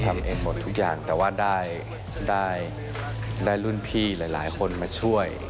ทำเองหมดทุกอย่างแต่ว่าได้รุ่นพี่หลายคนมาช่วย